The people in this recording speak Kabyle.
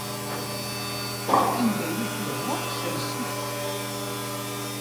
Anda i ak-yehwa sers-it.